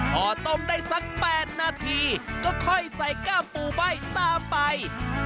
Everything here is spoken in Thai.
พอต้มได้สัก๘นาทีก็ค่อยใส่ก้ามปูใบ้ตามไป